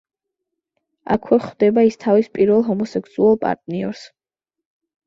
აქვე ხვდება ის თავის პირველ ჰომოსექსუალ პარტნიორს.